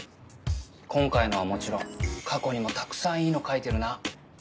今回のはもちろん過去にもたくさんいいの書いてるな。